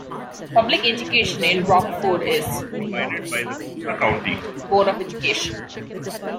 Public education in Rockford is provided by the Coosa County Board of Education.